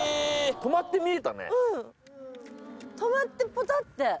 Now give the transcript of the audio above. うん止まってポトって。